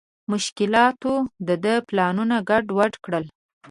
مشکلاتو د ده پلانونه ګډ وډ کړل.